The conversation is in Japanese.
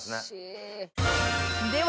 では